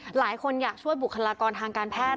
หลายคนอยากช่วยบุคลากรทางการแพทย์